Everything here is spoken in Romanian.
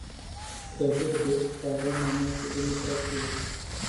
Trebuie, deci, să avem mai multă democrație.